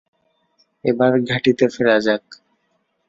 এবার ঘাঁটিতে ফেরা যাক।